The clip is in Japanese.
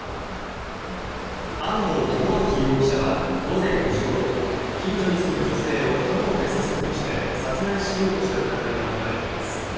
安保智昭容疑者は午前４時ごろ近所に住む女性を刃物で刺すなどして殺害しようとした疑いが持たれています。